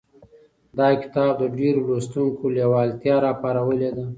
دا کتاب د ډېرو لوستونکو لېوالتیا راپارولې ده.